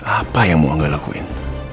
apa yang mau angga lakuin